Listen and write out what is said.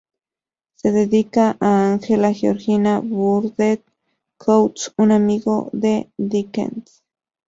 Se dedica a Angela Georgina Burdett-Coutts, un amigo de Dickens.